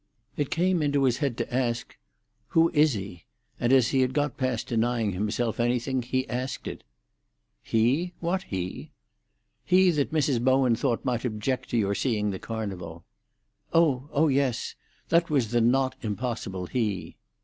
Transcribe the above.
It came into his head to ask, "Who is he?" and as he had got past denying himself anything, he asked it. "He? What he?" "He that Mrs. Bowen thought might object to your seeing the Carnival?" "Oh!—oh yes! That was the not impossible he."